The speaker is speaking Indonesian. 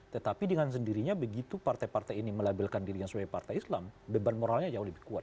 tetapi dengan sendirinya begitu partai partai ini melabelkan dirinya sebagai partai islam beban moralnya jauh lebih kuat